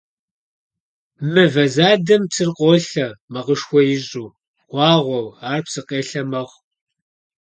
Мывэ задэм псыр къолъэ, макъышхуэ ищӀу, гъуагъуэу, ар псыкъелъэ мэхъу.